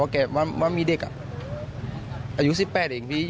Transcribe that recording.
พวกเขาได้ทำอะไรที่มันประโยชน์กว่านี้